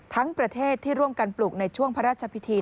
ทั้งประเทศที่ร่วมกันปลูกในช่วงพระราชพิธี